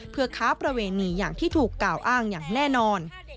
เพื่อค้าประเวณีอย่างที่ถูกกล่าวอ้างอย่างแน่นอน